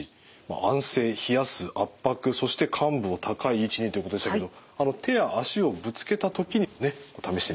安静冷やす圧迫そして患部を高い位置にということでしたけど手や足をぶつけた時にはね試してみてください。